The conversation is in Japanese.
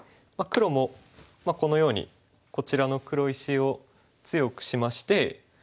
まあ黒もこのようにこちらの黒石を強くしまして。